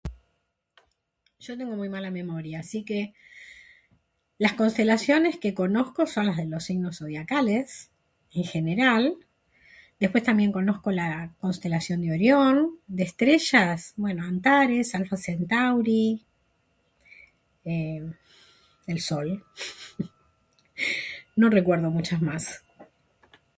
Yo tengo muy mala memoria, así que las constelaciones que conozco son las de los signos zodiacales, en general, después también conozco la constelación de Orión. ¿De estrellas? Bueno, Antares, Alfa Centauri... eh... el Sol... no recuerdo muchas más.